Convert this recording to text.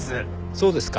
そうですか。